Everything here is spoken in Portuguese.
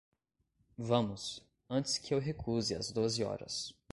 Vamos, antes que eu recuse as doze horas.